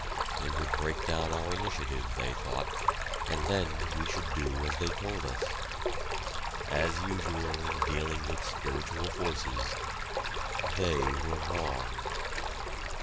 They would break down our initiative, they thought, and then we should do as they told us. As usual in dealing with spiritual forces, they were wrong!